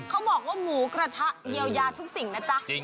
เขาบอกว่าหมูกระทะเยียวยาทุกสิ่งนะจ๊ะ